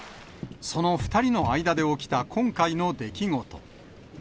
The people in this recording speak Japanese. その２人の間で起きた今回の出来事。